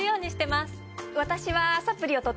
私は。